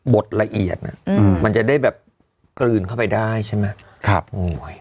ดละเอียดมันจะได้แบบกลืนเข้าไปได้ใช่ไหมครับ